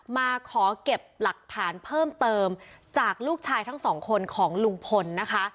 มาขอเก็บหลักฐานเพิ่มเติมจากลูกชายทั้งสองคนของลุงพลนะคะ